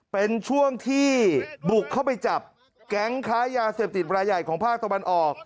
เป็นช่วงที่บุกเข้าไปจับแก๊งค้ายาเสพติดรายใหญ่ของภาคตะวันออก